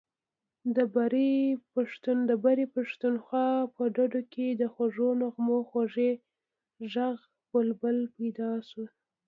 د برې پښتونخوا په ډډو کې د خوږو نغمو خوږ غږی بلبل پیدا شو.